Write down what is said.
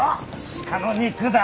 鹿の肉だ。